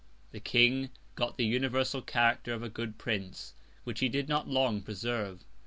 The King got the universal Character of a good Prince, which he did not long preserve.